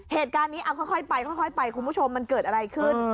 เหตุการณ์นี้เอาค่อยไปค่อยไปคุณผู้ชมมันเกิดอะไรขึ้น